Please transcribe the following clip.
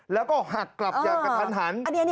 แล้วก็หักกลับอย่างกระทันหัน